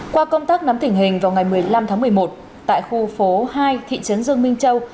qua công tác nắm tỉnh hình vào ngày một mươi năm tháng một mươi một tại khu phố hai thị trấn dương minh châu